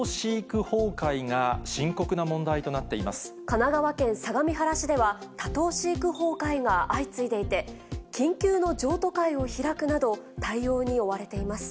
神奈川県相模原市では、多頭飼育崩壊が相次いでいて、緊急の譲渡会を開くなど、対応に追われています。